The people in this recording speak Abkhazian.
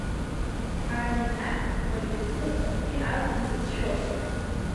Арменақ уажәазы убри акәын дзыцәшәоз…